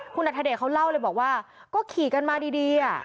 คุณอัธเดชเขาเล่าเลยบอกว่าก็ขี่กันมาดี